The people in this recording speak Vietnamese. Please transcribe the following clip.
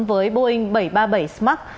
với boeing bảy trăm ba mươi bảy max